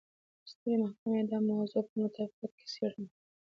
سترې محکمې دا موضوع په مطابقت کې څېړله.